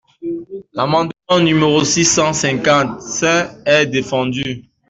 L’amendement numéro six cent cinquante-cinq est défendu.